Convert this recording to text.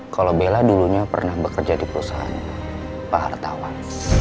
kalau bela dulunya pernah bekerja di perusahaan pahartawan